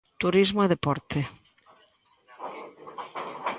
Turismo e deporte.